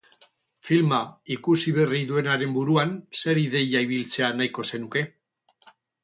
Filma ikusi berri duenaren buruan zer ideia ibiltzea nahiko zenuke?